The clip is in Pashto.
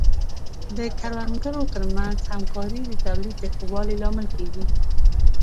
د کروندګرو ترمنځ همکاري د تولید د ښه والي لامل کیږي.